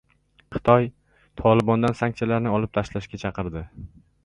Xitoy “Tolibon”dan sanksiyalarni olib tashlashga chaqirdi